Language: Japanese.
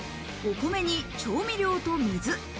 お米に調味料と水。